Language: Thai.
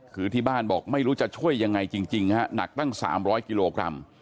คือที่บ้านบอกไม่รู้จะช่วยยังไงจริงฮะหนักตั้ง๓๐๐กิโลกรัม